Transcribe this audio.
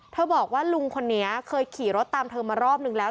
บอกว่าลุงคนนี้เคยขี่รถตามเธอมารอบนึงแล้ว